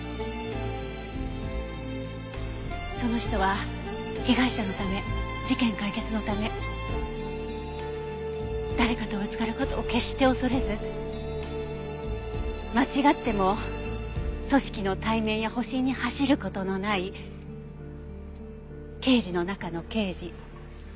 その人は被害者のため事件解決のため誰かとぶつかる事を決して恐れず間違っても組織の体面や保身に走る事のない刑事の中の刑事。